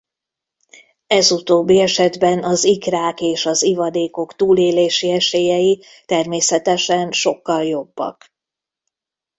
Ez utóbbi esetben az ikrák és az ivadékok túlélési esélyei természetesen sokkal jobbak.